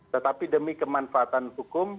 tetapi demi kemanfaatan hukum